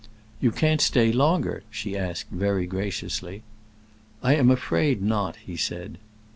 "You can't stay longer?" she asked very graciously. "I am afraid not," he said.